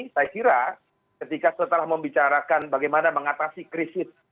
saya kira ketika setelah membicarakan bagaimana mengatasi krisis bangsa indonesia saat ini